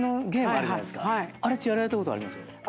あれってやられたことあります？